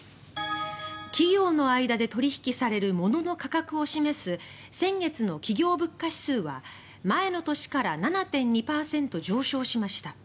企業の間で取引される物の価格を示す先月の企業物価指数は前の年から７．２％上昇しました。